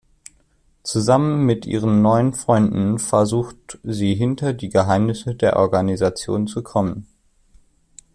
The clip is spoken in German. Zusammen mit ihren neuen Freunden versucht sie hinter die Geheimnisse der Organisation zu kommen.